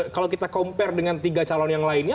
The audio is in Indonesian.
kalau kita compare dengan tiga calon yang lainnya